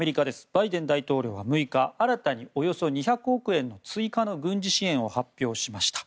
バイデン大統領は６日新たにおよそ２００億円の追加の軍事支援を発表しました。